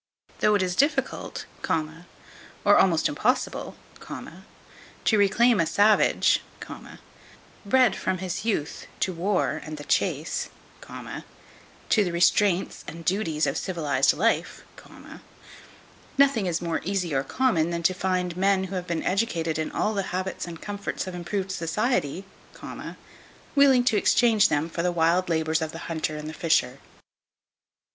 Though it is difficult, or almost impossible, to reclaim a savage, bred from his youth to war and the chase, to the restraints and the duties of civilized life, nothing is more easy or common than to find men who have been educated in all the habits and comforts of improved society, willing to exchange them for the wild labours of the hunter and the fisher.